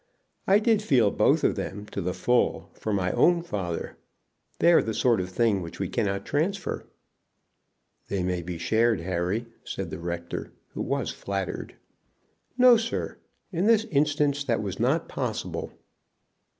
I did feel both of them, to the full, for my own father. They are a sort of a thing which we cannot transfer." "They may be shared, Harry," said the rector, who was flattered. "No, sir; in this instance that was not possible."